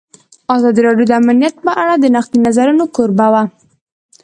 ازادي راډیو د امنیت په اړه د نقدي نظرونو کوربه وه.